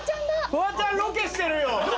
フワちゃんロケしてるよ。